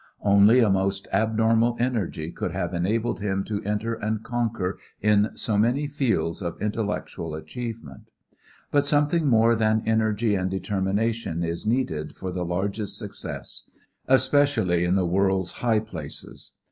Only a most abnormal energy would have enabled him to enter and conquer in so many fields of intellectual achievement. But something more than energy and determination is needed for the largest success especially in the world's high places.